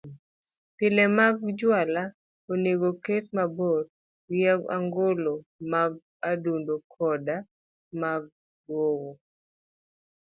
Pile mag juala onego oket mabor gi ogolo mag odundu koda mag ng'owo.